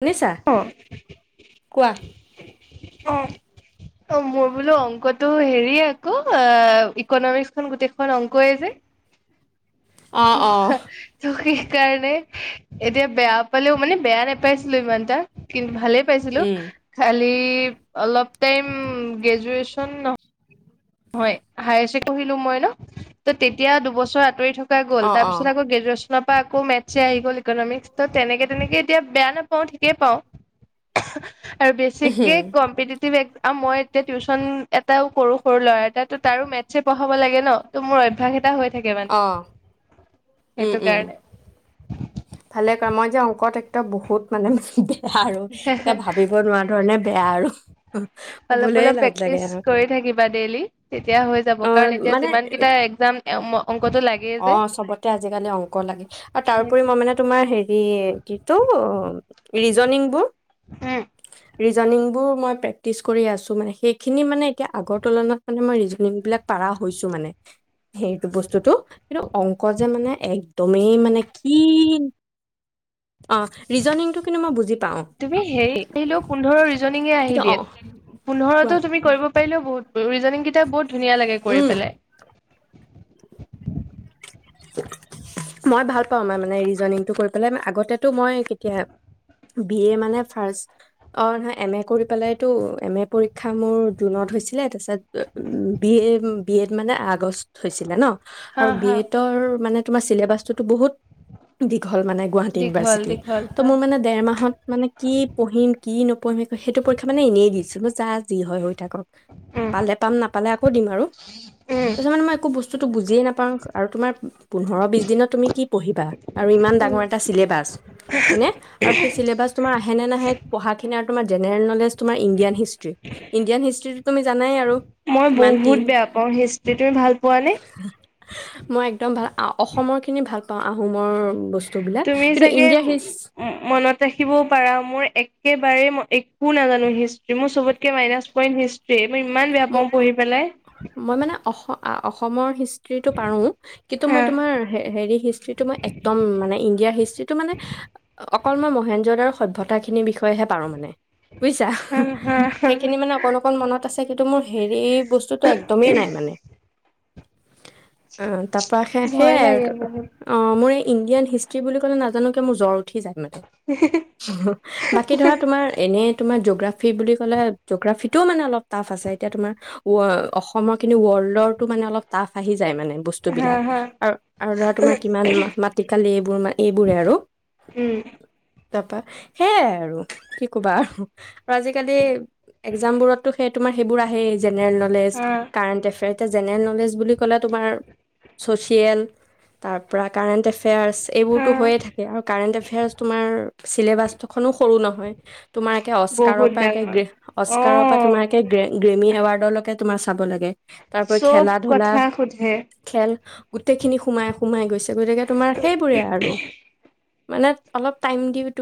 শুনিছা অ কোৱা অ অ মোৰ বোলো অংকটো হেৰি আকৌ অ ইকনমিক্স খ গোটেইখন অংকই যে অঁ ত অঁ কিি কাৰণে এতিয়া বেয়া পালেও মানে বেয়া নোপাইছিলো ইমান এটা কিন্তু ভালে পাইছিলো উম খ অলপে গেজুৱেশন [inaudible] হয়ো মই ন তেতিয়া দুবছৰ আত থ গ'ল অঁ অঁ তাৰিছত আক গ্ৰেজুৱেশ্যন আকৌ মেথছে আহি গ'ল ইকনমিক্স ত তেনেকে তেনেকে এতিয়া বেয়া নাপাও ঠিকেই পাওঁ আৰু বেছিকে উম কম্পিটিটিভ এক্সাম মই এতিয়া টিউশন এটাও কৰো সৰু ল'ৰা এটা তো তাৰো মেথছে পঢ়াব লাগে ন ত' মোৰ অভ্যাস এটা হৈ [unintelligible] কাৰণে [unintelligible] ত মই যে অংকত এক বহুত মানে ম বেয়া আৰু কবলে অলপ অলপ লাজ লাগে প্ৰেক্টিচ আৰু কৰি থাকিবা ডেইলি তেতিয়া হৈ যাব অ কাৰণ এতিয়া মানে যিমান কেইটা এক্জাম অংকটো লাগেই অ যে। চবতে আজিকালি অংক লাগে আৰু তাৰপৰি সেইটো মই মানে তোমাৰ হেৰি কিটো [unintelligible] ৰিজনিংবোৰ। উম [inaudible] ৰিজনিংবোৰ মই প্ৰেক্টিচ কৰি আছো মানে সেইখিনি মানে এতিয়া আগৰ তুলনাত মানে মই ৰিজন বিিলাক প হৈছো মানে। সেইটো বস্তুতটো কিন্তু অং [unintelligible] ক যে মানে একদমেই মানে কি [unintelligible] ৰিজনিংটো কিন্তু মই বুজি পাওঁ তুমি হে আহিলেও পোন্ধৰ ৰিজনিঙে আহি কিন্তু অ দিয়ে কোৱা পোন্ধৰটোো তুমি কৰিব পাৰিলও বহুত, ৰিজনিং কেইটা বহুত ধুনীয়া লাগে কৰি পেলাই। মই ভাল পাও মাৰ মানে ৰিজনংটো কৰি পেলাই আগতেটো মই কেতিয়া বি এ মানে ফাৰ অ নহয় এম এ কৰি পেলাইতটো এম এ পৰীক্ষা মোৰ জুনত হৈছিলে। তাৰপিছত বি এ বি এ ত মানে আগষ্ট হৈছিলে ন। হ আৰু বি হা। এডৰ মানে তুমাৰ ছিলেবাছ টোতো বহুত। দীঘল মানে গুৱাহাটী দীঘল ইউনিভাৰ্চিটি দীঘল ত, হয় মোৰ মানে দেৰ মাহত মানে কি পঢ়িম কি ন পম সেইতো পৰীক্ষা মানে এনেই দিছিলো যা যি হয় হয় উম পালে প নাপালে আকৌ দিম আৰু, ত উম য মানে একো বচতু বস্তুটো বুিয়েই নাপওঁ। আৰু তোমাৰ পোন্ধৰ বিছ দিনত তুমি কি পঢ়িবা আৰু ইমান ডাঙৰ এটা চিলেবাছ হয়নে, আৰু সেই চিলেবাছ তোমাৰ আহেনে নাহে পঢ়াখিনি। তোমাৰ জেনেৰেল নলেজ। তোমাৰ ইণ্ডিয়ান হিষ্ট্ৰি, ইণ্ডিয়ান হিষ্ট্ৰ্ৰীটোো তুমি জানাই আৰু মই কিমান কি। বহুত বেয়া পাওঁ হিষ্ট্ৰী তুমি ভাল পোৱা নে একদম ভাল অসমৰ খিনি ভাল পাওঁ আহোমৰ। বস্তুবিলাক তুমি কিন্তু চাগে ইণ্ডিয়াৰ হিষ্ট মনত ৰাখিবও পাৰা মোৰ একে বাৰে মই একো নাজানো হিষ্ট্ৰ্ৰী মোৰ চবতকে মাইনাছ পইণ্ট হিষ্ট্ৰি। মই ইমান বেয়া পাওঁ পঢ়ি পেলাই। মই মানে অস [unintelligible] অসমৰ হিষ্টৰী। প কিন্তু হা মই তোমাৰ হেৰী হিষ্টৰী তু একদম মানে ইণ্ডিয়াৰ হিষ্টটো মানে অকল মই মহেন্দ্ৰ [unintelligible] সভ্যতাখিনি বিষয়ে থহে পাৰো মানে বুইছা। হা হা হা সেইখিনি মানে অকণ অকণ মনত আছে। এইটো মোৰ হেৰি বস্তুতটো একদমেই নাই মানে আ তাৰ পৰাৰা সে ভয় সেইয়াই লাগে আৰু বহুত অ মোৰ ইণ্ডিয়ান হিষ্ট্ৰী বুলি কলে নাজানো মোৰ জল উৰি যায় বাকী ধৰা তোমাৰ এনে তোমাৰ জ'গ্ৰাফী বুলি ক'লে জ'গ্ৰফীটোও মানে অলপ ফ আছে এতিয়া তোমাৰ অসমৰ কি ৱৰ্ল্ডৰ মে অলপ টাফ আহি যায় মানে বস্তু হা বিলাক হা আৰু ধৰা তোমাৰ কিমান মাটি কালি এইবোৰ এইবোৰে আৰু উম তাৰাপা সেয়াই আৰু কি কবা আৰু আজিকালি একজাম বোৰতো তোমাৰ সেইবোৰ সেই জেনেৰেল নলেজ হা কাৰেণ্ট এফেয়াৰ এতিয়া জেনেৰেল নলেজ বুলি ক'লে তোমাৰ চচিয়েল তাৰ পৰাৰা কাৰেণ্ট এফেয়াৰ্চ হা এইবোৰতো হৈয়ে থাকে আৰু কাৰেণ্ট এফেয়াৰ্চ তোমাৰ চিলেবাছটোখনো সৰু নহয় তোমাৰ একে অস্কাৰৰ বহুত পৰা একে ডাঙৰ গৃহ অ অস্কাৰৰ পৰা তোমাৰে গ্ৰেমি এৱাৰ্ডলৈকে তোমাৰ চাব লাগে তাৰ পৰা চব খেলা ধূলা কথা সোধে খেল গোটেইখিনি সোমাই সোমাই গৈছে গতিকে তোমাৰ সেইবোৰে আৰু মানে অলপ টাইম দিম ত